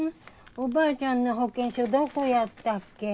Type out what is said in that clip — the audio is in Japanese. おばあちゃんの保険証どこやったっけ？